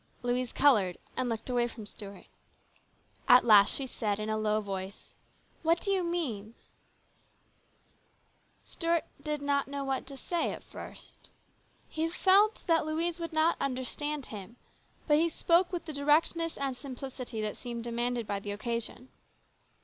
Louise coloured and looked away from Stuart. At last she said in a low voice, " What do you mean ?" 128 HIS BROTHER'S KEEPER. Stuart did not know what to say at first. He felt that Louise would not understand him, but he spoke with the directness and simplicity that seemed demanded by the occasion.